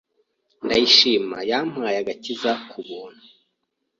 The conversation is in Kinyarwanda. ndayishima yampaye agakiza ku buntu